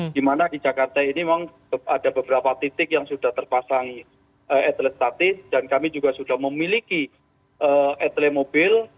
di mana di jakarta ini memang ada beberapa titik yang sudah terpasang etele statis dan kami juga sudah memiliki etele mobil